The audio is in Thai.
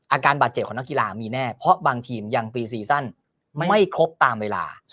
อาการบาดเจ็บของนักกีฬามีแน่เพราะบางทีมยังปีซีซั่นไม่ครบตามเวลา